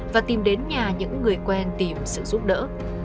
và tìm đến nhà những người quen tìm sự giúp đỡ